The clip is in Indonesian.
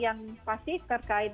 yang pasti terkait dengan